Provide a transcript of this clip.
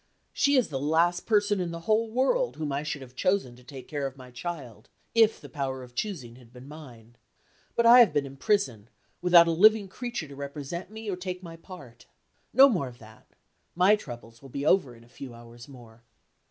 "She is the last person in the whole world whom I should have chosen to take care of my child, if the power of choosing had been mine. But I have been in prison, without a living creature to represent me or to take my part. No more of that; my troubles will be over in a few hours more.